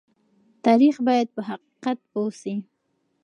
تاریخ باید په حقیقت پوه شي.